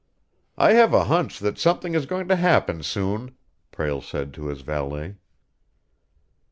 "I have a hunch that something is going to happen soon," Prale said to his valet.